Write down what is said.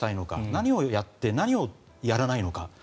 何をやって何をやらないのか。